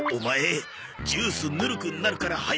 ジュースぬるくなるから早く来いよ！